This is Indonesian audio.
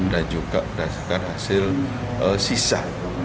dan juga berdasarkan hasil sisa